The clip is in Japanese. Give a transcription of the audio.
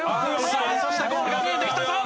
さあそしてゴールが見えてきたぞ！